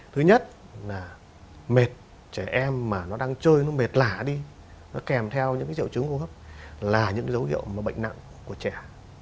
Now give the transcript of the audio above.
thứ nhất là mệt trẻ em đang chơi mệt lạ đi kèm theo những triệu chứng hô hấp là những dấu hiệu bệnh nặng của trẻ